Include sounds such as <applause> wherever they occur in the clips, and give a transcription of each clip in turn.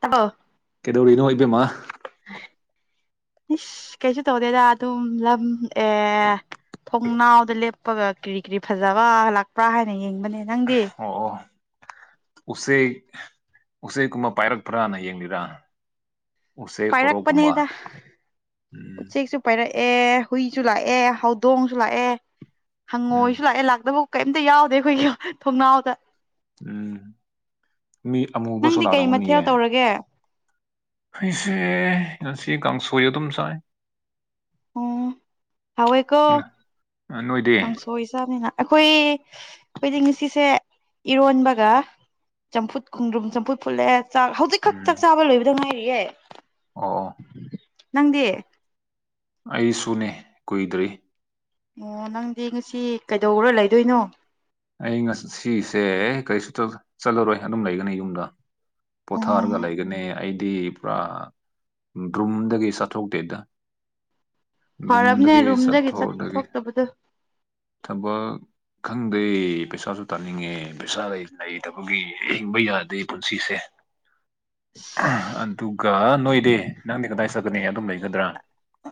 ꯇꯥꯕꯣ ꯀꯩꯗꯧꯔꯤꯅꯣ ꯏꯕꯦꯝꯃ ꯏꯁ ꯀꯩꯁꯨ ꯇꯧꯗꯦꯗ ꯑꯗꯨꯝ ꯂꯝ ꯑꯦ ꯊꯣꯡꯅꯥꯎꯗ ꯂꯦꯞꯄꯒ ꯀꯔꯤ ꯀꯔꯤ ꯐꯖꯕ ꯂꯥꯛꯄ꯭ꯔꯥ ꯍꯥꯢꯅ ꯌꯦꯡꯕꯅꯦ ꯅꯪꯗꯤ ꯑꯣ ꯑꯣ ꯎꯆꯦꯛ ꯎꯆꯦꯛꯀꯨꯝꯕ ꯄꯥꯢꯔꯛꯄ꯭ꯔꯥꯅ ꯌꯦꯡꯂꯤꯔꯥ ꯎꯨꯆꯦꯛ ꯑꯣꯔꯣꯛꯀꯨꯝꯕ ꯄꯥꯏꯔꯛꯄꯅꯦꯗ ꯎꯝ ꯄꯥꯢꯔꯛꯑꯦ ꯍꯨꯢꯁꯨ ꯂꯥꯛꯑꯦ ꯍꯧꯗꯣꯡꯁꯨ ꯂꯥꯛꯑꯦ ꯍꯪꯉꯣꯢꯁꯨ ꯎꯝ ꯂꯥꯛꯑꯦ ꯂꯥꯛꯇꯕ ꯀꯩꯝꯇ ꯌꯥꯎꯗꯦ ꯑꯩꯈꯣꯢꯒꯤ ꯊꯣꯡꯅꯥꯎꯗ ꯎꯝ ꯃꯤ ꯑꯃꯨꯕꯁꯨ ꯅꯪꯗꯤ ꯀꯩ ꯃꯊꯦꯜ ꯂꯥꯛꯔꯝꯒꯅꯤꯌꯦ ꯇꯧꯔꯒꯦ ꯑꯩꯁꯦ ꯉꯁꯤ ꯀꯥꯡꯁꯣꯢ ꯑꯗꯨꯝ ꯆꯥꯢ ꯑꯣ ꯍꯥꯎꯋ‌ꯦꯀꯣ ꯅꯣꯏꯗꯤ ꯀꯥꯡꯁ ꯁꯣꯢ ꯆꯥꯕꯅꯤꯅ ꯑꯩꯈꯣꯢ ꯑꯩꯈꯣꯢꯗꯤ ꯉꯁꯤꯁꯦ ꯏꯔꯣꯟꯕꯒ ꯆꯝꯐꯨꯠ ꯈꯨꯟꯗ꯭ꯔꯨꯝ ꯆꯝꯐꯨꯠ ꯐꯨꯠꯂꯦ ꯆꯥꯛ ꯍꯧꯖꯤꯛꯈꯛ ꯎꯝ ꯆꯥꯛ ꯆꯥꯕ ꯂꯣꯢꯕꯗ ꯉꯥꯢꯔꯤꯌꯦ ꯑꯣ ꯅꯪꯗꯤ ꯑꯩꯗꯤ ꯁꯨꯨꯅꯦ ꯀꯨꯢꯗ꯭ꯔꯤ ꯑꯣ ꯅꯪꯗꯤ ꯉꯁꯤ ꯀꯩꯗꯧꯔ ꯂꯩꯗꯨꯢꯅꯣ ꯑꯩ ꯉꯥꯁꯤꯁꯦ ꯀꯔꯤꯁꯨ ꯇꯧ ꯆꯠꯂꯔꯣꯢ ꯑꯗꯨꯝ ꯂꯩꯒꯅꯤ ꯌꯨꯝꯗ ꯄꯣꯊꯥꯔꯒ ꯑꯣ ꯂꯩꯒꯅꯤ ꯑꯩꯗꯤ ꯄꯨꯔꯥ ꯗ꯭ꯔꯨꯝꯗꯒꯤ ꯁꯊꯧꯇꯦꯗ ꯐꯔꯕꯅꯦ ꯔꯨꯝꯗꯒꯤ ꯆꯠꯊꯣꯛꯗꯒꯤ ꯆꯠꯊꯣꯛꯇꯕꯗꯣ ꯊꯕꯛ ꯈꯪ ꯑꯩ ꯄꯩꯁꯥꯁꯨ ꯇꯥꯅꯤꯡꯉꯦ ꯄꯩꯁꯥ ꯂꯩꯇꯕꯒꯤ ꯍꯤꯡꯕ ꯌꯥꯗꯦ ꯄꯨꯟꯁꯤꯁꯦ ꯑꯗꯨꯒ ꯅꯣꯢꯗꯤ ꯅꯪꯗꯤ ꯀꯗꯥꯢ ꯆꯠꯀꯅꯤ ꯑꯗꯨꯝ ꯂꯩꯒꯗ꯭ꯔꯥ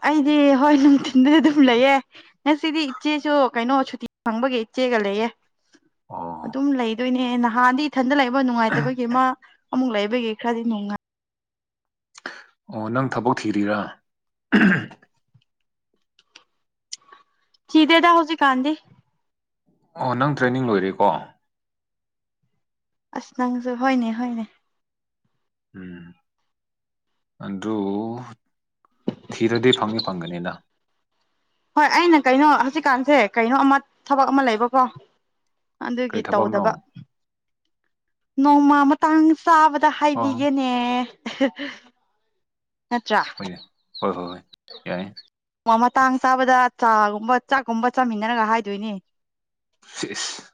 ꯑꯩꯗꯤ ꯍꯣꯢ ꯅꯨꯡꯊꯤꯟꯗꯗꯤ ꯑꯗꯨꯝ ꯂꯩꯌꯦ ꯉꯥꯁꯤꯗꯤ ꯏꯆꯦꯁꯨ ꯀꯩꯅꯣ ꯁꯨꯇꯤ ꯐꯪꯕꯒꯤ ꯏꯆꯦꯒ ꯂꯩꯌꯦ ꯑꯣ ꯑꯗꯨꯝ ꯂꯩꯗꯣꯢꯅꯦ ꯅꯍꯥꯟꯗꯤ ꯏꯊꯟꯗ ꯂꯩꯕ ꯅꯨꯡꯉꯥꯢꯇꯕꯒꯤ ꯑꯃ ꯑꯃꯨꯛ ꯂꯩꯕꯒꯤ ꯈꯔꯗꯤ ꯅꯨꯡꯉꯥꯢ ꯑꯣ ꯅꯪ ꯊꯕꯛ ꯊꯤꯔꯤꯔꯥ ꯆꯤꯗ‌ꯦꯗ ꯍꯧꯖꯤꯀꯥꯟꯗꯤ ꯑꯣ ꯅꯪ ꯇ꯭ꯔꯦꯅꯤꯡ ꯂꯣꯢꯔꯦꯀꯣ ꯑꯁ ꯅꯪꯁꯨ ꯍꯣꯢꯅꯦ ꯍꯣꯢꯅꯦ ꯎꯝ ꯑꯗꯨ ꯊꯤꯔꯗꯤ ꯐꯪꯉꯦ ꯐꯪꯒꯅꯤꯅ ꯍꯣꯏ ꯑꯩꯅ ꯀꯩꯅꯣ ꯍꯧꯖꯤꯛꯀꯥꯟꯁꯦ ꯀꯩꯅꯣ ꯑꯃ ꯊꯕꯛ ꯑꯃ ꯂꯩꯕꯀꯣ ꯑꯗꯨꯒꯤ ꯀꯔꯤ ꯊꯕꯛꯅꯣ ꯇꯧꯗꯕ ꯅꯣꯡꯃ ꯇꯥꯡ ꯆꯥꯕꯗ ꯑꯣ ꯍꯥꯏꯕꯤꯒꯦꯅꯦ ꯅꯠꯇ꯭ꯔꯥ ꯍꯣꯏ ꯌꯥꯏ ꯍꯣ ꯍꯣ ꯍꯣꯏ ꯌꯥꯏꯌꯦ ꯃ ꯃꯇꯥꯡ ꯆꯥꯕꯗ ꯆꯥꯒꯨꯝꯕ ꯆꯥꯛꯀꯨꯝꯕ ꯆꯥꯃꯤꯟꯅꯔꯒ ꯍꯥꯏꯗꯣꯏꯅꯦ ꯐꯤꯁ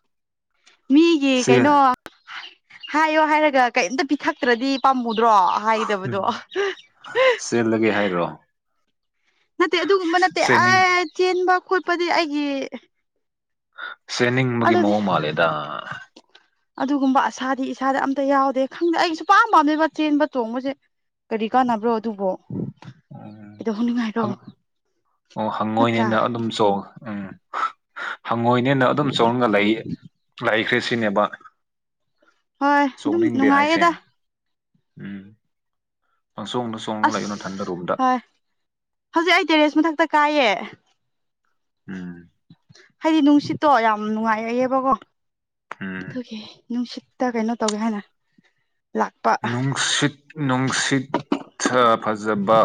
ꯃꯤꯒꯤ ꯀꯩꯅꯣ ꯍꯥꯏꯌꯣ ꯍꯥꯏꯔꯒ ꯀꯩꯝꯇ ꯄꯤꯊꯛꯇ꯭ꯔꯗꯤ ꯄꯥꯝꯃꯨꯗ꯭ꯔꯣ ꯎꯝ ꯍꯥꯏꯒꯗꯕꯗꯣ ꯆꯦꯜꯂꯒꯦ ꯍꯥꯏꯔꯣ ꯅꯠꯇꯦ ꯑꯗꯨꯒꯨꯝꯕ ꯅꯠꯇꯦ ꯑ ꯆꯦꯟꯅꯤꯡ ꯆꯦꯟꯕ ꯈꯣꯠꯄꯗꯤ ꯑꯩꯒꯤ ꯆꯦꯟꯅꯤꯡꯕꯒꯤ ꯑꯗꯨꯗꯤ ꯃꯑꯣꯡ ꯃꯥꯜꯂꯦꯗ ꯑꯗꯨꯒꯨꯝꯕ ꯑꯁꯥꯗꯤ ꯏꯁꯥꯗꯤ ꯑꯝꯇ ꯌꯥꯎꯗꯦ ꯈꯪꯗꯦ ꯑꯩꯒꯤ ꯁꯨꯄꯥꯝ ꯄꯥꯝꯗꯦꯕ ꯆꯦꯟꯕ ꯆꯣꯡꯕꯁꯦ ꯀꯔꯤ ꯀꯥꯟꯅꯕ꯭ꯔꯣ ꯑꯗꯨꯕꯨꯣ ꯎꯝ ꯀꯩꯗꯧꯍꯧꯅꯤꯡꯉꯥꯏꯔꯣ ꯍꯪ ꯑꯣ ꯍꯪꯉꯣꯏꯅꯦꯅ ꯑꯗꯨꯝ ꯆꯣꯡ ꯎꯝ ꯍꯪꯉꯣꯏꯅꯦꯅ ꯑꯗꯨꯝ ꯆꯣꯡꯔꯒ ꯂꯩ ꯂꯩꯈ꯭ꯔꯦ ꯁꯤꯅꯦꯕ ꯍꯣꯏ ꯑꯗꯨꯝ ꯁꯣꯛꯅꯤꯡꯗꯦ ꯍꯥꯏꯁꯦ ꯅꯨꯡꯉꯥꯏꯌꯦꯗ ꯎꯝ ꯄꯪꯆꯣꯡꯗ ꯆꯣꯡꯉꯒ ꯂꯩꯌꯨ ꯅꯊꯟꯗ ꯔꯨꯝꯗ ꯑꯁ ꯍꯣꯏ ꯍꯧꯖꯤꯛ ꯑꯩ ꯇꯦꯔꯦꯁ ꯃꯊꯛꯇ ꯀꯥꯏꯌꯦ ꯎꯝ ꯍꯥꯏꯗꯤ ꯅꯨꯡꯁꯤꯠꯇꯣ ꯌꯥꯝ ꯅꯨꯡꯉꯥꯏꯑꯑꯦꯕꯀꯣ ꯎꯝ ꯑꯗꯨꯒꯤ ꯅꯨꯡꯁꯤꯠ ꯇꯥ ꯀꯩꯅꯣ ꯇꯧꯒꯦ ꯍꯥꯏꯅ ꯂꯥꯛꯄ ꯅꯨꯡꯁꯤꯠ ꯅꯨꯡꯁꯤꯠ ꯁꯥ ꯐꯖꯕ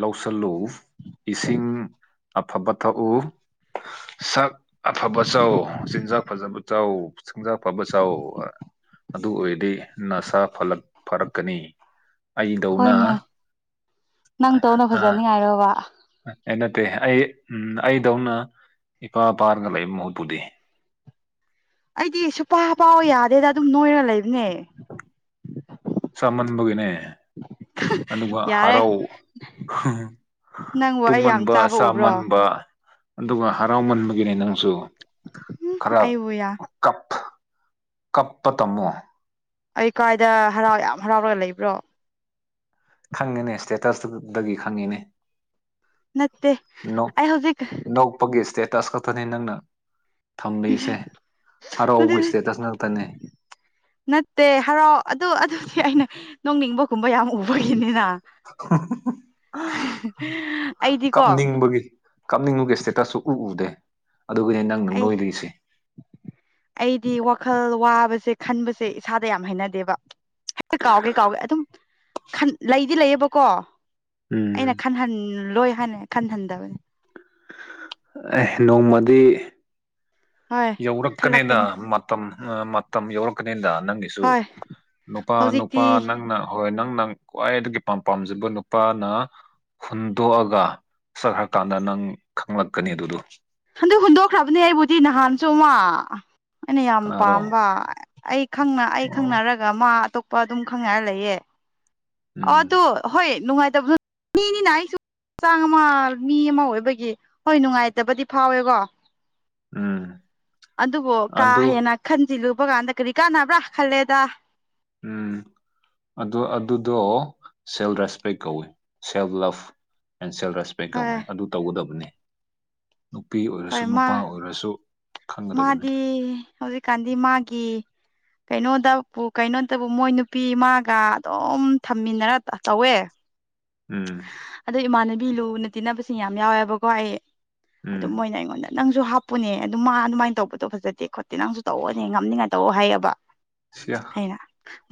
ꯂꯧꯁꯜꯂꯨ ꯏꯁꯤꯡ ꯑꯐꯕ ꯊꯛꯎ ꯁꯛ ꯑꯐꯕ ꯆꯥꯎ ꯆꯤꯟꯖꯥꯛ ꯐꯖꯕ ꯆꯥꯎ ꯆꯤꯟꯖꯥꯛ ꯑꯐꯕ ꯆꯥꯎ ꯑꯗꯨ ꯑꯣꯏꯔꯗꯤ ꯅꯁꯥ ꯐꯂꯛ ꯐꯔꯛꯀꯅꯤ ꯑꯩꯗꯧꯅ ꯍꯣꯏꯅꯦ ꯑ ꯑꯔꯣ ꯋꯥ ꯑꯦ ꯅꯠꯇꯦ ꯑꯩ ꯎꯝ ꯑꯩꯗꯧꯅ ꯏꯄꯥ ꯏꯄꯥꯔꯒ ꯂꯩꯕ ꯃꯍꯨꯠꯄꯨꯗꯤ ꯑꯩꯗꯤ ꯁꯨꯄꯥ ꯄꯥꯎ ꯌꯥꯗꯦꯗ ꯑꯗꯨꯝ ꯅꯣꯏꯔ ꯂꯩꯕꯅꯦ ꯆꯥꯃꯟꯕꯒꯤꯅꯦ ꯑꯗꯨꯒ ꯌꯥꯔꯦ ꯍꯔꯥꯎ ꯅꯪꯕꯨ ꯑꯩ ꯌꯥꯝ ꯇꯨꯝꯃꯟꯕ ꯆꯥꯕ ꯎꯕ꯭ꯔꯣ ꯆꯥꯃꯟꯕ ꯑꯗꯨꯒ ꯍꯔꯥꯎꯃꯟꯕꯒꯤꯅꯦ ꯅꯪꯁꯨ ꯈꯔ ꯑꯩꯕꯨ ꯌꯥ ꯀꯞ ꯀꯄ ꯇꯝꯃꯣ ꯑꯩ ꯀꯥꯏꯗ ꯍꯔꯥꯎ ꯌꯥꯝ ꯍꯔꯥꯎꯔꯒ ꯂꯩꯕ꯭ꯔꯣ ꯈꯪꯉꯦꯅꯦ ꯁ꯭ꯇꯦꯇꯁꯇꯗꯒꯤ ꯈꯪꯉꯤꯅꯦ ꯅꯠꯇꯦ ꯅꯣꯛ ꯑꯩ ꯍꯧꯖꯤꯛ ꯅꯣꯛꯄꯒꯤ ꯏꯁꯇꯦꯇꯁ ꯈꯛꯇꯅꯤ ꯅꯪꯅ ꯊꯝꯂꯤꯁꯦ ꯍꯔꯥꯎꯕ ꯏꯁꯇꯦꯇꯁ ꯉꯥꯛꯇꯅꯦ ꯅꯠꯇꯦ ꯍꯔꯥꯎ ꯑꯗꯨ ꯑꯗꯨꯗꯤ ꯑꯩꯅ ꯅꯣꯡꯅꯤꯡꯕ ꯀꯨꯝꯕ ꯌꯥꯝ ꯎꯕꯒꯤꯅꯤꯅ ꯑꯩꯗꯤꯀꯣ ꯀꯞꯅꯤꯡꯕꯒꯤ ꯀꯞꯅꯤꯡꯕꯒꯤ ꯏꯁꯇꯦꯇꯁꯁꯨ ꯎ ꯎꯗꯦ ꯑꯗꯨꯕꯨꯗꯤ ꯅꯪ ꯑꯩ ꯑꯩꯗꯤ ꯋꯥꯈꯜ ꯋꯥꯕꯁꯦ ꯈꯟꯕꯁꯦ ꯏꯁꯥꯗ ꯌꯥꯝ ꯍꯩꯅꯗꯦꯕ ꯍꯦꯛꯇ ꯀꯥꯎꯒꯦ ꯀꯥꯎꯒꯦ ꯑꯗꯨꯝ ꯈꯟ ꯂꯩꯗꯤ ꯂꯩꯌꯦꯕꯀꯣ ꯑꯩꯅ ꯎꯝ ꯈꯟꯍꯟꯂꯣꯏ ꯍꯥꯏꯅ ꯈꯟꯍꯟꯗꯕꯅꯤ ꯑꯦ ꯅꯣꯡꯃꯗꯤ ꯍꯣꯏ ꯌꯧꯔꯛꯀꯅꯦꯗ ꯈꯜꯂꯛꯀꯅꯤ ꯃꯇꯝ ꯃꯇꯝ ꯌꯧꯔꯛꯀꯅꯤꯗ ꯅꯪꯒꯤ ꯁꯨ ꯍꯣꯏ ꯅꯨꯄꯥ ꯍꯧꯖꯤꯛꯇꯤ ꯅꯨꯄꯥ ꯅꯪꯅ ꯍꯣꯏ ꯅꯪꯅ ꯈ꯭ꯋꯥꯏꯗꯒꯤ ꯄꯥꯝ ꯄꯥꯝꯖꯕ ꯅꯨꯄꯥꯅ ꯍꯨꯟꯗꯣꯛꯑꯒ ꯆꯠꯈ꯭ꯔꯀꯥꯟꯗ ꯅꯪ ꯈꯪꯂꯛꯀꯅꯤ ꯑꯗꯨꯗꯣ ꯍꯟꯗꯛ ꯍꯨꯟꯗꯣꯛꯈ꯭ꯔꯕꯅꯦ ꯑꯩꯕꯨꯗꯤ ꯅꯍꯥꯟꯁꯨ ꯑꯃ ꯑꯩꯅ ꯌꯥꯝ ꯀꯅꯥꯔꯣ ꯄꯥꯝꯕ ꯑꯩ ꯈꯪꯅ ꯑꯩ ꯑꯣ ꯈꯪꯅꯔꯒ ꯃꯥ ꯑꯇꯣꯞꯄ ꯑꯗꯨꯝ ꯈꯪꯅꯔ ꯂꯩꯌꯦ ꯑꯗꯣ ꯎꯝ ꯍꯣꯏ ꯅꯨꯡꯉꯥꯏꯇꯕ ꯃꯤꯅꯤꯅ ꯑꯩꯁꯨ ꯆꯥꯡ ꯑꯃ ꯃꯤ ꯑꯃ ꯑꯣꯏꯕꯒꯤ ꯍꯣꯏ ꯅꯨꯡꯉꯥꯏꯇꯕꯗꯤ ꯐꯥꯎꯋꯦꯒꯣ ꯎꯝ ꯑꯗꯨꯕꯨ ꯀꯥ ꯑꯗꯨ ꯍꯦꯟꯅ ꯈꯟꯖꯤꯜꯂꯨꯕ ꯀꯥꯟꯗ ꯀꯔꯤ ꯀꯥꯟꯅꯕ꯭ꯔꯥ ꯈꯜꯂꯦꯗ ꯎꯝ ꯑꯗꯨ ꯑꯗꯨꯗꯣ ꯁꯦꯜ ꯔꯦꯁꯄꯦꯛ ꯀꯧꯋꯤ ꯁꯦꯜꯐ ꯂꯞꯐ ꯑꯦꯟ ꯁꯦꯜ ꯔꯦꯁ ꯄꯦꯛ ꯀꯧꯋꯦ ꯍꯣꯏ ꯑꯗꯨ ꯇꯧꯒꯗꯕꯅꯤ ꯅꯨꯄꯤ ꯑꯣꯏꯔꯁꯨ ꯍꯣꯏ ꯃꯥ ꯅꯨꯄꯥ ꯑꯣꯏꯔꯁꯨ ꯈꯪꯒꯗꯕꯅꯤ ꯃꯥꯗꯤ ꯍꯧꯖꯤꯛꯀꯥꯟꯗꯤ ꯃꯥꯒꯤ ꯀꯩꯅꯣꯗꯕꯨ ꯀꯩꯅꯣꯗꯕꯨ ꯃꯣꯏ ꯅꯨꯄꯤ ꯃꯥꯒ ꯑꯗꯨꯝ ꯊꯝꯃꯤꯟꯅꯔ ꯆꯧꯋꯦ ꯎꯝ ꯑꯗꯣ ꯏꯃꯥꯟꯅꯕꯤ ꯂꯨꯅ ꯇꯤꯟꯅꯕꯁꯤꯡ ꯌꯥꯝ ꯌꯥꯎꯋꯦꯕꯀꯣ ꯑꯩ ꯑꯗꯨꯝ ꯎꯝ ꯃꯣꯏꯅ ꯑꯩꯉꯣꯟꯗ ꯅꯪꯁꯨ ꯍꯥꯞꯄꯨꯅꯦ ꯑꯗꯨ ꯃꯥ ꯑꯗꯨꯃꯥꯏꯅ ꯇꯧꯕꯗꯣ ꯐꯖꯗꯦ ꯈꯣꯠꯇꯦ ꯅꯪꯁꯨ ꯇꯧꯋꯣꯅꯦ ꯉꯝꯅꯤꯡꯉꯥꯏ ꯇꯧꯋꯣ ꯍꯥꯏꯌꯦꯕ ꯁꯤꯌꯥ ꯑꯩꯅ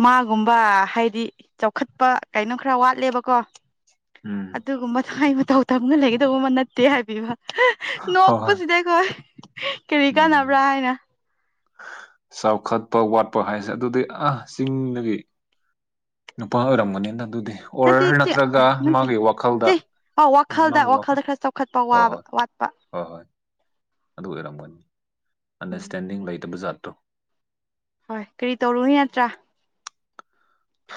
ꯃꯥꯒꯨꯝꯕ ꯍꯥꯏꯗꯤ ꯆꯥꯎꯈꯠꯄ ꯀꯩꯅꯣ ꯈꯔ ꯋꯥꯠꯂꯦꯕꯀꯣ ꯎꯝ ꯑꯗꯨꯒꯨꯝꯕꯗꯣ ꯑꯩ ꯃꯇꯧ ꯇꯝꯅ ꯂꯩꯒꯗꯧꯕ ꯑꯃ ꯅꯠꯇꯦ ꯍꯥꯏꯕꯤꯕ ꯅꯣꯛꯄꯁꯤꯗꯤ ꯍꯣꯏ ꯀꯔꯤ ꯎꯝ ꯀꯥꯟꯅꯕ꯭ꯔꯥ ꯍꯥꯏꯅ ꯆꯥꯎꯈꯠꯄ ꯋꯥꯠꯄ ꯍꯥꯏꯖꯦ ꯑꯗꯨꯗꯤ ꯑ ꯆꯤꯡꯗꯒꯤ ꯅꯨꯄꯥ ꯑꯣꯏꯔꯝꯒꯅꯤꯗ ꯑꯗꯨꯗꯤ ꯅꯠꯇꯦ ꯑꯣꯔ ꯏꯆꯦ ꯅꯠꯇ꯭ꯔꯒ ꯅꯠꯇꯦ ꯃꯥꯒꯤ ꯋꯥꯈꯜꯗ ꯏꯆꯦ ꯑ ꯋꯥꯈꯜꯗ ꯃꯥꯒꯤ ꯋꯥꯈꯜ ꯋꯥꯈꯜꯗ ꯈꯔ ꯆꯥꯎꯈꯠꯄ ꯍꯣꯏ ꯋꯥꯕ ꯍꯣꯏ ꯋꯥꯠꯄ ꯍꯣꯏ ꯍꯣꯏ ꯑꯗꯨ ꯑꯣꯏꯔꯝꯒꯅꯤ ꯎꯝ ꯑꯟꯗꯔꯁꯇꯦꯟꯗꯤꯡ ꯂꯩꯇꯕ ꯖꯥꯠꯇꯣ ꯍꯣꯏ ꯀꯔꯤ ꯇꯧꯔꯨꯏ ꯌꯠꯇ꯭ꯔꯥ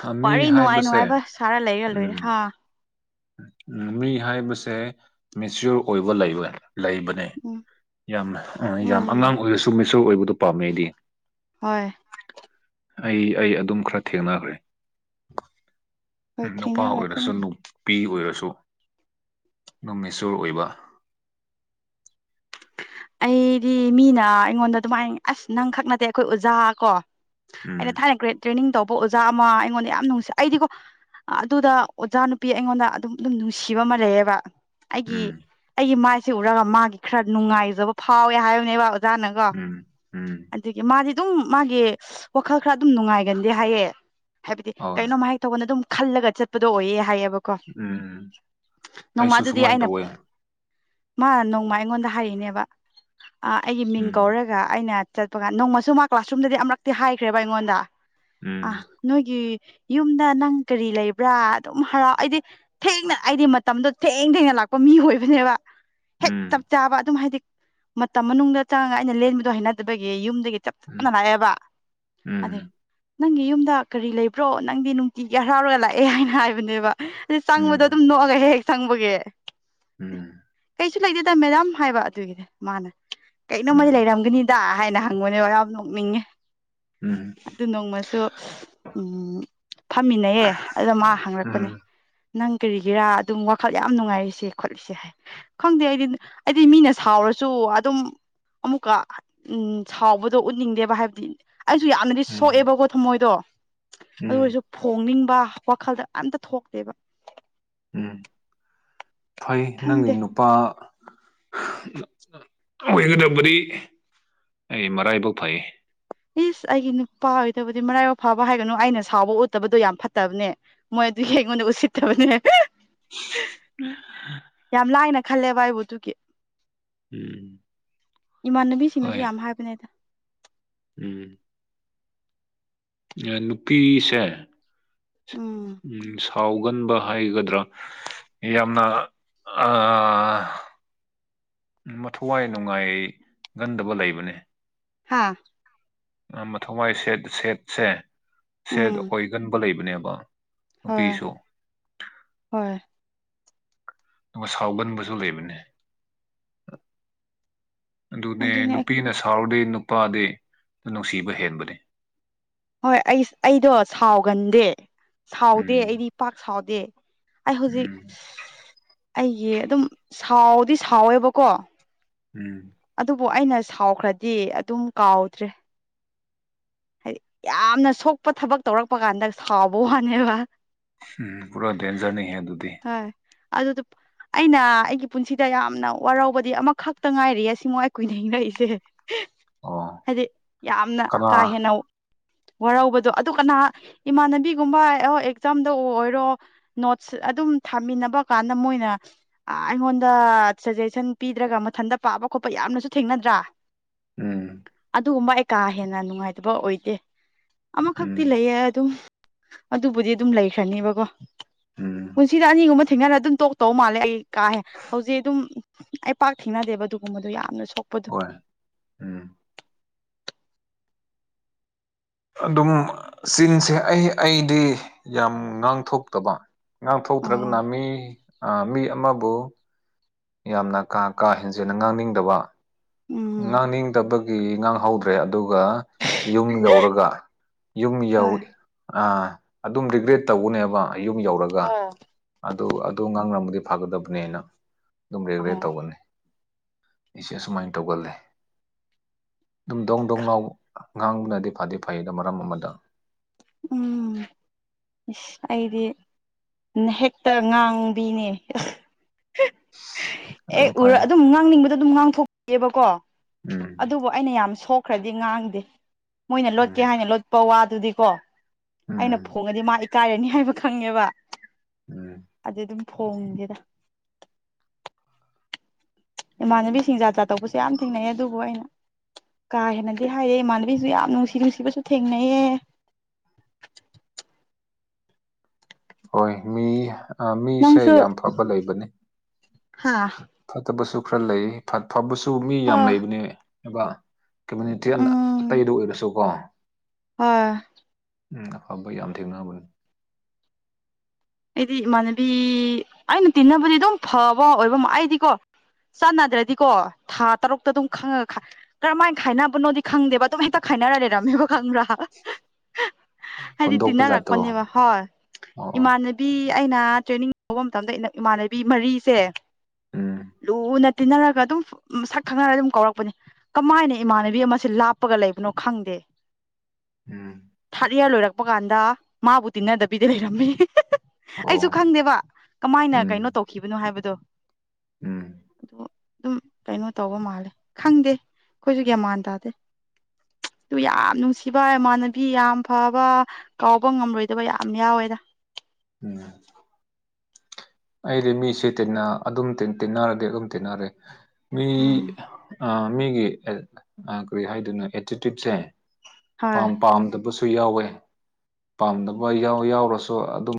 ꯑ ꯃꯤ ꯋꯥꯔꯤ ꯅꯨꯡꯉꯥꯏ ꯍꯥꯏꯕꯁꯦ ꯅꯨꯡꯉꯥꯏꯕ ꯁꯥꯔ ꯂꯩꯔ ꯂꯣꯏꯔꯦ ꯍꯥ ꯎꯝ ꯃꯤ ꯍꯥꯏꯕꯁꯦ ꯃꯦꯆꯤꯌꯣꯔ ꯑꯣꯏꯕ ꯂꯩꯕ ꯂꯩꯕ ꯅꯦ ꯎꯝ ꯌꯥꯝ ꯌꯥꯝ ꯎꯝ ꯑꯉꯥꯡ ꯑꯣꯏꯔꯁꯨ ꯃꯦꯆꯤꯌꯣꯔ ꯑꯣꯏꯕꯗꯣ ꯄꯥꯝꯃꯦ ꯑꯩꯗꯤ ꯍꯣꯏ ꯑꯩ ꯑꯩ ꯑꯗꯨꯝ ꯈꯔ ꯊꯦꯡꯅꯈ꯭ꯔꯦ ꯍꯣꯏ ꯎꯝ ꯅꯨꯄꯥ ꯑꯣꯏꯔꯁꯨ ꯊꯦꯡꯅꯔꯛꯀꯅꯤ ꯅꯨꯄꯤ ꯑꯣꯏꯔꯁꯨ ꯗꯨꯝ ꯃꯦꯆꯤꯌꯣꯔ ꯑꯣꯏꯕ ꯑꯩꯗꯤ ꯃꯤꯅ ꯑꯩꯉꯣꯟꯗ ꯑꯗꯨꯃꯥꯏꯅ ꯑꯁ ꯅꯪ ꯈꯛ ꯅꯠꯇꯦ ꯑꯩꯈꯣꯏ ꯑꯣꯖꯥ ꯀꯣ ꯎꯝ ꯑꯩꯅ ꯊꯥꯏꯅ ꯒ꯭ꯔꯦꯠ ꯇ꯭ꯔꯦꯅꯤꯡ ꯇꯧꯕ ꯑꯣꯖꯥ ꯑꯃ ꯑꯩꯉꯣꯟꯗ ꯌꯥꯝ ꯅꯨꯡꯁꯤ ꯑꯩꯗꯤꯀꯣ ꯑꯗꯨꯗ ꯑꯣꯖꯥ ꯅꯨꯄꯤ ꯑꯩꯉꯣꯟꯗ ꯑꯗꯨꯝ ꯗꯨꯝ ꯅꯨꯡꯁꯤꯕ ꯑꯃ ꯂꯩꯌꯦꯕ ꯑꯩꯒꯤ ꯎꯝ ꯑꯩꯒꯤ ꯃꯥꯏꯁꯦ ꯎꯔꯒ ꯃꯥꯒꯤ ꯈꯔ ꯅꯨꯡꯉꯥꯏꯖꯕ ꯐꯥꯎꯋꯦ ꯍꯥꯏꯕꯅꯦꯕ ꯖꯥꯅꯀꯣ ꯎꯝ ꯎꯝ ꯗꯒꯤ ꯃꯥꯗꯤ ꯑꯗꯨꯝ ꯃꯥꯒꯤ ꯋꯥꯈꯜ ꯈꯔ ꯑꯗꯨꯝ ꯅꯨꯡꯉꯥꯏꯒꯟꯗꯦ ꯍꯥꯏꯌꯦ ꯍꯥꯏꯕꯗꯤ ꯍꯣꯏ ꯀꯩꯅꯣꯝ ꯍꯥꯏ ꯇꯧꯕꯅꯦ ꯑꯗꯨꯝ ꯈꯜꯂꯒ ꯆꯠꯄꯗꯣ ꯑꯣꯏꯌꯦ ꯍꯥꯏꯌꯦꯕ ꯀꯣ ꯎꯝ ꯅꯣꯡꯃ ꯑꯩꯁꯨ ꯑꯗꯨꯗꯤ ꯁꯨꯃꯥꯏꯅ ꯑꯩꯅ ꯇꯧꯋꯦ ꯃꯥ ꯅꯣꯡꯃ ꯑꯩꯉꯣꯟꯗ ꯍꯥꯏꯔꯛꯏꯅꯦꯕ ꯑ ꯑꯩꯒꯤ ꯃꯤꯡ ꯎꯝ ꯀꯧꯔꯒ ꯑꯩꯅ ꯆꯠꯄꯒ ꯅꯣꯡꯃꯁꯨ ꯃꯥ ꯀ꯭ꯂꯥꯁꯔꯨꯝꯗꯗꯤ ꯑꯃꯔꯛꯇꯤ ꯍꯥꯏꯈ꯭ꯔꯦꯕ ꯑꯩꯉꯣꯟꯗ ꯑ ꯎꯝ ꯅꯣꯏꯒꯤ ꯌꯨꯝꯗ ꯅꯪ ꯀꯔꯤ ꯂꯩꯕ꯭ꯔꯥ ꯑꯗꯨꯝ ꯍꯔꯥ ꯑꯩꯗꯤ ꯊꯦꯡꯅ ꯑꯩꯗꯤ ꯃꯇꯝꯗꯣ ꯊꯦꯡ ꯊꯦꯡꯅ ꯂꯥꯛꯄ ꯃꯤ ꯑꯣꯏꯕꯅꯦꯕ ꯍꯦꯛ ꯎꯝ ꯆꯞ ꯆꯥꯕ ꯑꯗꯨꯝ ꯍꯥꯏꯗꯤ ꯃꯇꯝ ꯃꯅꯨꯡꯗ ꯆꯥꯡꯉꯒ ꯑꯩꯅ ꯂꯦꯟꯕꯗꯣ ꯍꯩꯅꯗꯕꯒꯤ ꯌꯨꯝꯗꯒꯤ ꯆꯞ ꯆꯥꯅ ꯂꯥꯛꯑꯦꯕ ꯑꯗꯨꯏ ꯅꯪꯒꯤ ꯌꯨꯝꯗ ꯀꯔꯤ ꯂꯩꯕ꯭ꯔꯣ ꯅꯪꯗꯤ ꯅꯨꯡꯇꯤꯒꯤ ꯍꯔꯥꯎꯔꯒ ꯂꯥꯛꯑꯦ ꯍꯥꯏꯅ ꯍꯥꯏꯕꯅꯦꯕ ꯗꯤ ꯆꯪꯕꯗꯣ ꯑꯗꯨꯝ ꯅꯣꯛꯑꯒ ꯍꯦꯛ ꯍꯦꯛ ꯆꯪꯕꯒꯤ ꯎꯝ ꯀꯩꯁꯨ ꯂꯩꯇꯦꯗ ꯃꯦꯗꯥꯝ ꯍꯥꯏꯕ ꯑꯗꯨꯒꯤꯗꯤ ꯃꯥꯅ ꯀꯩꯅꯣꯃꯗꯤ ꯂꯩꯔꯝꯒꯥꯅꯤ ꯗꯥ ꯍꯥꯏꯅ ꯍꯪꯕꯅꯦꯕ ꯌꯥꯝ ꯅꯣꯛꯅꯤꯡꯉꯦ ꯎꯝ ꯑꯗꯨ ꯅꯣꯡꯃꯁꯨ ꯎꯝ ꯐꯝꯃꯤꯟꯅꯩꯌꯦ ꯑꯗꯨꯗ ꯃꯥ ꯍꯪꯪꯂꯛꯄꯅꯦ ꯅꯪ ꯀꯦꯔꯤꯒꯤꯔꯥ ꯑꯗꯨꯝ ꯋꯥꯈꯜ ꯌꯥꯝ ꯅꯨꯡꯉꯥꯏꯔꯤꯁꯦ ꯈꯣꯠꯂꯤꯁꯦ ꯍꯥꯏ ꯈꯪꯗꯦ ꯑꯩꯗꯤ ꯑꯩꯗꯤ ꯃꯤꯅ ꯁꯥꯎꯔꯁ ꯁꯨ ꯑꯗꯨꯝ ꯑꯃꯨꯛꯀꯥ ꯎꯝ ꯁꯥꯎꯕꯗꯣ ꯎꯠꯅꯤꯡꯗꯦꯕ ꯍꯥꯏꯕꯗꯤ ꯑꯩꯁꯨ ꯌꯥꯝꯅꯗꯤ ꯁꯣꯛꯑꯦꯕꯀꯣ ꯊꯃꯣꯏꯗꯣ ꯑꯗꯨ ꯑꯣꯏꯔꯁꯨ ꯐꯣꯡꯅꯤꯡꯕ ꯋꯥꯈꯜꯗ ꯑꯝꯇꯥ ꯊꯣꯛꯇꯦꯕ ꯎꯝ ꯐꯩ ꯅꯪꯒꯤ ꯈꯪꯗꯦ ꯅꯨꯄꯥ ꯑꯣꯏꯒꯗꯕꯗꯤ ꯑꯩ ꯃꯔꯥꯏꯕꯛ ꯐꯩꯌ‌ꯦ ꯏꯁ ꯑꯩꯒꯤ ꯅꯨꯄꯥ ꯑꯣꯏꯗꯕꯗꯤ ꯃꯔꯥꯏꯕꯛ ꯐꯕ ꯍꯥꯏꯒꯅꯨ ꯑꯩꯅ ꯁꯥꯎꯕ ꯎꯠꯇꯕꯗꯣ ꯌꯥꯝ ꯐꯠꯇꯕꯅꯦ ꯃꯣꯏ ꯑꯗꯨꯒꯤ ꯑꯩꯉ‌ꯣꯟꯗ ꯎꯁꯤꯠꯇꯕꯅ‌ꯦ <inaudible> ꯌꯥꯝ ꯂꯥꯏꯅ ꯈꯜꯂꯦꯕ ꯑꯩꯕꯨ ꯑꯗꯨꯒꯤ ꯎꯝ ꯏꯃꯥꯟꯅꯕꯤꯁꯤꯡꯅꯁꯨ ꯍꯣꯏ ꯌꯥꯝ ꯍꯥꯏꯕꯅꯦꯗ ꯎꯝ ꯑꯦ ꯅꯨꯄꯤꯁꯦ ꯎꯝ ꯁꯥꯎ ꯀꯥꯎꯒꯟꯕ ꯍꯥꯏꯒꯗ꯭ꯔꯥ ꯌꯥꯝꯅ ꯑꯥ ꯃꯊꯋꯥꯏ ꯅꯨꯡꯉꯥꯏꯒꯟꯗꯕ ꯂꯩꯕꯅꯦ ꯍꯥꯥ ꯑꯥ ꯃꯊꯧꯋꯥꯏ ꯁꯦꯠ ꯁꯦꯠꯁꯦ ꯁꯦꯠ ꯎꯝ ꯑꯣꯏꯒꯟꯕ ꯂꯩꯕꯅꯦꯕ ꯍꯣꯏ ꯅꯨꯄꯤꯁꯨ ꯍꯣꯏ ꯗꯨꯒꯥ ꯁꯥꯎꯒꯟꯕꯁꯨ ꯂꯩꯕꯅꯦ ꯑꯗꯨꯅꯦ ꯅꯨꯄꯤꯅ ꯁꯥꯎꯔꯗꯤ ꯅꯨꯄꯥꯗꯤ ꯅꯨꯡꯁꯤꯕ ꯍꯦꯟꯕꯅꯤ ꯍꯣꯏ ꯑꯩ ꯑꯩꯗꯣ ꯁꯥꯎꯒꯟꯗꯦ ꯁꯥꯎꯗꯦ ꯎꯝ ꯑꯩꯗꯤ ꯄꯥꯛ ꯁꯥꯎꯗꯦ ꯑꯩ ꯍꯧꯖꯤꯛ ꯎꯝ ꯑꯩꯒꯤ ꯑꯗꯨꯝ ꯁꯥꯎꯗꯤ ꯁꯥꯎꯋꯦꯕꯀꯣ ꯎꯝ ꯑꯗꯨꯕꯨ ꯑꯩꯅ ꯁꯥꯎꯈ꯭ꯔꯥꯗꯤ ꯑꯗꯨꯝ ꯀꯥꯎꯗ꯭ꯔꯦ ꯍꯥꯏꯗꯤ ꯌꯥꯝꯅ ꯁꯣꯛꯄ ꯊꯕꯛ ꯇꯧꯔꯛꯄ ꯀꯥꯟꯗ ꯁꯥꯎꯕ ꯋꯥꯅꯦꯕ ꯎꯝ ꯄꯨꯔꯥ ꯗꯦꯟꯖꯔꯅꯤꯍ‌ꯦ ꯑꯗꯨꯗꯤ ꯍꯣꯏ ꯑꯗꯨꯗꯨ ꯑꯩꯅ ꯑꯩꯒꯤ ꯄꯨꯟꯁꯤꯗ ꯌꯥꯝꯅ ꯋꯥꯔꯧꯕꯗꯤ ꯑꯃꯈꯛꯇꯥ ꯉꯥꯏꯔꯤꯌꯦ ꯁꯤꯃꯨꯉꯥꯏ ꯀꯨꯏꯅ ꯍꯤꯡꯔꯛꯏꯁꯦ <inaudible> ꯍꯥꯏꯗꯤ ꯌꯥꯝꯅ ꯀꯅꯥ ꯀꯥ ꯍꯦꯟꯅꯧ ꯋꯥꯔꯧꯕꯗꯣ ꯑꯗꯨ ꯀꯅꯥ ꯏꯃꯥꯟꯅꯕꯤꯒꯨꯝꯕ ꯑꯣ ꯑꯦꯛꯖꯥꯝꯗꯕꯨ ꯑꯣꯏꯔꯣ ꯅꯣꯠꯁ ꯑꯗꯨꯝ ꯊꯥꯃꯤꯟꯅꯕ ꯀꯥꯟꯗ ꯃꯣꯏꯅ ꯑꯥ ꯑꯩꯉꯣꯟꯗ ꯁꯖꯦꯁꯟ ꯄꯤꯗ꯭ꯔꯒ ꯃꯊꯟꯇ ꯄꯥꯕ ꯈꯣꯠꯄ ꯌꯥꯝꯅꯁꯨ ꯊꯦꯡꯅꯗ꯭ꯔꯥ ꯎꯝ ꯑꯗꯨꯒꯨꯝꯕ ꯑꯩ ꯀꯥ ꯍꯦꯟꯅ ꯅꯨꯡꯉꯥꯏꯇꯕ ꯑꯣꯏꯗꯦ ꯑꯃꯈꯛꯇꯤ ꯎꯝ ꯂꯩꯌꯦ ꯑꯗꯨꯝ ꯑꯗꯨꯕꯨꯗꯤ ꯑꯗꯨꯝ ꯂꯩꯈ꯭ꯔꯅꯦꯕꯀꯣ ꯎꯝ ꯄꯨꯟꯁꯤꯗ ꯑꯅꯤꯒꯨꯝꯕ ꯊꯦꯡꯅꯔꯒ ꯑꯗꯨꯝ ꯇ‌ꯣꯛ ꯇꯧ ꯃꯥꯜꯂꯦ ꯑꯩ ꯀꯥꯍꯦ ꯍꯧꯖꯤꯛ ꯑꯗꯨꯝ ꯑꯩ ꯄꯥꯛ ꯊꯦꯡꯅꯗꯦꯕ ꯑꯗꯨꯒꯨꯝꯕꯗꯣ ꯌꯥꯝꯅ ꯁꯣꯛꯄꯗꯣ ꯍꯣꯏ ꯎꯝ ꯑꯗꯨꯝ ꯆꯤꯟꯁꯦ ꯑꯩ ꯑꯩꯗꯤ ꯌꯥꯝ ꯉꯥꯡꯊꯣꯛꯇꯕ ꯑꯣ ꯉꯥꯡꯊꯣꯛꯇ꯭ꯔꯒꯅ ꯃꯤ ꯑꯥ ꯃꯤ ꯑꯃꯕꯨ ꯌꯥꯝꯅ ꯀꯥ ꯀꯥ ꯍꯦꯟꯖꯤꯟꯅ ꯉꯥꯡꯅꯤꯡꯗꯕ ꯎꯝ ꯉꯥꯡꯅꯤꯡꯗꯕꯒꯤ ꯉꯥꯡꯍꯧꯗ꯭ꯔꯦ ꯑꯗꯨꯒ ꯌꯨꯝ ꯌꯧꯔꯒ ꯌꯨꯝ ꯌꯧ ꯍꯣꯏ ꯑꯥ ꯑꯗꯨꯝ ꯔꯤꯒ꯭ꯔꯦꯠ ꯇꯧꯒꯅꯦꯕ ꯌꯨꯝ ꯌꯧꯔ ꯑꯗꯨꯒ ꯑꯣ ꯑꯗꯨ ꯑꯗꯨ ꯉꯥꯡꯔꯝꯕꯗꯤ ꯐꯒꯗꯕꯅꯦꯅ ꯑꯗꯨꯝ ꯔꯦꯒ꯭ꯔꯦꯠ ꯑꯣ ꯇꯧꯕꯅꯦ ꯑꯩꯁꯦ ꯑꯁꯨꯃꯥꯏꯅ ꯇꯧꯒꯜꯂꯦ ꯑꯗꯨꯝ ꯗꯣꯡ ꯗꯣꯡ ꯅꯥꯥꯎ ꯉꯥꯡꯔꯗꯤ ꯐꯗꯤ ꯐꯩꯌꯦ ꯃꯔꯝ ꯑꯃꯗ ꯎꯝ ꯏꯁ ꯑꯩꯗꯤ ꯅꯦ ꯍꯦꯛꯇ ꯉꯥꯡꯕꯤꯅꯦ ꯑꯗꯨꯝ ꯑꯦꯛ ꯎꯔ ꯐꯩ ꯑꯗꯨꯝ ꯉꯥꯡꯅꯤꯡꯕꯗꯣ ꯑꯗꯨꯝ ꯉꯥꯡꯊꯣꯛꯑꯦꯕꯀꯣ ꯎꯝ ꯑꯗꯨꯕꯨ ꯑꯩꯅ ꯌꯥꯝ ꯁꯣꯛꯈ꯭ꯔꯗꯤ ꯉꯥꯡꯗꯦ ꯃꯣꯏꯅ ꯎꯝ ꯂꯣꯠꯀꯦ ꯍꯥꯏꯅ ꯂꯣꯠꯄ ꯋꯥꯗꯨꯗꯤꯀꯣ ꯑꯩꯅ ꯎꯝ ꯐꯣꯡꯉꯗꯤ ꯃꯥ ꯏꯀꯥꯏꯔꯅꯤ ꯍꯥꯏꯕ ꯈꯪꯉꯦꯕ ꯎꯝ ꯑꯗꯨ ꯗꯨꯝ ꯐꯣꯡꯗꯦꯗ ꯏꯃꯥꯟꯅꯕꯤ ꯁꯤꯡ ꯖꯥꯠ ꯖꯠ ꯇꯧꯕꯁꯤ ꯌꯥꯝ ꯊꯦꯡꯅꯩꯌꯦ ꯑꯗꯨꯕꯨ ꯑꯩꯅ ꯀꯥ ꯍꯦꯟꯅꯗꯤ ꯍꯥꯏꯌꯦ ꯏꯃꯥꯟꯅꯕꯤꯁꯨ ꯌꯥꯝ ꯅꯨꯡꯁꯤ ꯅꯨꯡꯁꯤꯕꯁꯨ ꯊꯦꯡꯅꯩꯌꯦ ꯍꯣꯏ ꯃꯤ ꯑꯥ ꯃꯤꯁꯦ ꯌꯥꯝ ꯐꯕ ꯂꯩꯕꯅꯦ ꯍꯥꯥ ꯐꯠꯇꯕꯁꯨ ꯈꯔ ꯂꯩꯑꯦ ꯐꯠ ꯐꯕꯁꯨ ꯃꯤ ꯌꯥꯝ ꯍꯣꯏ ꯂꯩꯕꯅꯦ ꯍꯥꯏꯕ ꯀꯝꯃꯨꯅꯤꯇꯤ ꯎꯝ ꯑꯇꯩꯗ ꯑꯣꯏꯔꯁꯨꯀꯣ ꯍꯣꯏ ꯎꯝ ꯑꯐꯕ ꯌꯥꯝ ꯊꯦꯡꯅꯕꯅꯦ ꯑꯩꯗꯤ ꯏꯃꯥꯟꯅꯕꯤ ꯑꯩꯅ ꯇꯤꯟꯅꯕꯗꯤ ꯑꯗꯨꯝ ꯐꯕ ꯑꯣꯏꯕ ꯑꯩꯗꯤꯀꯣ ꯆꯥꯟꯅꯗ꯭ꯔꯗꯤꯀꯣ ꯊꯥ ꯇꯔꯨꯛꯇ ꯑꯗꯨꯝ ꯈꯪꯉ ꯀꯔꯃꯥꯏ ꯈꯥꯏꯅꯕꯅꯣꯗꯤ ꯈꯪꯗꯦꯕ ꯑꯗꯨꯝ ꯍꯦꯛꯇ ꯈꯥꯏꯅꯔ ꯂꯩꯔꯝꯃꯦꯕ ꯈꯪꯕ꯭ꯔꯥ ꯍꯥꯏꯗꯤ ꯍꯨꯟꯗꯣꯛꯄ ꯖꯥꯠꯇꯣ ꯇꯤꯟꯅꯔꯛꯄꯅꯦꯕ ꯍꯣꯏ ꯑꯣ ꯑꯣ ꯏꯃꯥꯟꯅ ꯄꯤ ꯑꯩꯅ ꯇ꯭ꯔꯦꯅꯤꯡ ꯇꯧꯕ ꯃꯇꯝꯗ ꯏꯃꯥꯟꯅꯕꯤ ꯃꯔꯤꯁꯦ ꯎꯝ ꯂꯨꯅ ꯇꯤꯟꯅꯔꯒ ꯑꯗꯨꯝ ꯃꯁꯛ ꯈꯪꯅꯔꯒ ꯑꯗꯨꯝ ꯀꯧꯔꯛꯄꯅꯦ ꯀꯃꯥꯏꯅ ꯏꯃꯥꯟꯅꯕꯤ ꯑꯃꯁꯦ ꯂꯥꯞꯄꯒ ꯂꯩꯕꯅꯣ ꯈꯪꯗꯦ ꯎꯝ ꯕꯤ. ꯑꯦ ꯂꯣꯏꯔꯛꯄ ꯀꯥꯟꯗ ꯃꯥꯕꯨ ꯇꯤꯟꯅꯗꯕꯤꯗ ꯂꯩꯔꯝꯃꯦ ꯑꯣ ꯑꯩꯁꯨ ꯈꯪꯗꯦꯕ ꯀꯃꯥꯏꯅ ꯎꯝ ꯀꯩꯅꯣ ꯇꯧꯈꯤꯕꯅꯣ ꯍꯥꯏꯕꯗꯣ ꯎꯝ ꯑꯗꯣ ꯗꯨꯝ ꯀꯩꯅꯣ ꯇꯧꯕ ꯃꯥꯜꯂꯦ ꯈꯪꯗꯦ ꯑꯈꯣꯏꯁꯨ ꯒ꯭ꯌꯥꯟ ꯃꯥꯟ ꯇꯥꯗꯦ ꯑꯗꯨꯨ ꯌꯥꯝ ꯅꯨꯡꯁꯤꯕ ꯏꯃꯥꯟꯅꯕꯤ ꯌꯥꯝ ꯐꯕ ꯀꯥꯎꯕ ꯉꯝꯔꯣꯏꯗꯕ ꯌꯥꯝ ꯌꯥꯎꯋꯦꯗ ꯎꯝ ꯑꯩꯗꯤ ꯃꯤꯁꯦ ꯇꯤꯅꯥ ꯑꯗꯨꯝ ꯇꯤꯟ ꯇꯤꯟꯅꯔꯗꯤ ꯑꯗꯨꯝ ꯇꯤꯟꯅꯔꯦ ꯃꯤ ꯎꯝ ꯑꯥ ꯃꯤꯒꯤ ꯑꯦ ꯑꯥ ꯀꯔꯤ ꯍꯥꯏꯗꯣꯏꯅꯣ ꯑꯦꯇꯤꯇ꯭ꯌꯨꯠꯁꯦ ꯍꯣꯏ ꯄꯥꯝ ꯄꯥꯝꯗꯕꯁꯨ ꯌꯥꯎꯋꯦ ꯄꯥꯝꯗꯕ ꯌꯥꯎ ꯌꯥꯎꯔꯁꯨ ꯑꯗꯨꯝ